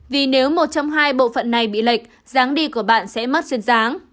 vì nếu một trong hai bộ phận này bị lệch giáng đi của bạn sẽ mất suyên giáng